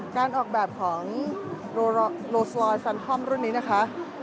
การออกแบบของโลสลอยซันคอมรุ่นนี้นะคะ